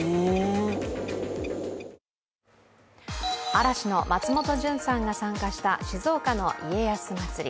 嵐の松本潤さんが参加した静岡の家康まつり。